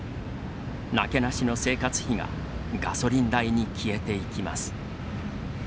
なけなしの生活費がガソリン代に消えていきます。